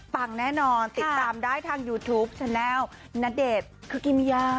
แน่นอนติดตามได้ทางยูทูปแชนแลลณเดชน์คุกิมิยา